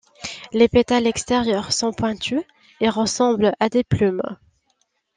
Les pétales extérieurs sont pointus et ressemblent à des plumes.